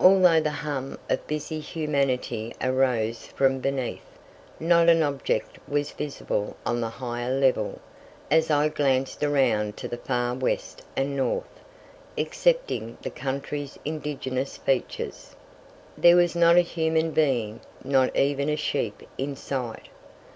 Although the hum of busy humanity arose from beneath, not an object was visible on the higher level, as I glanced around to the far west and north, excepting the country's indigenous features. There was not a human being, not even a sheep in sight.